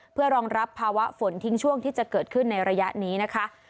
เพื่อรองรับภาวะฝนทิ้งช่วงที่จะเกิดขึ้นในระยะนี้นะคะ